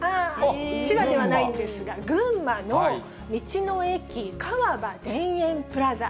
千葉ではないんですが、群馬の道の駅川場田園プラザ。